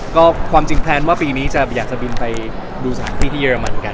ก็ความจริงแพลนว่าปีนี้จะอยากจะบินไปดูสถานที่ที่เรมันเหมือนกัน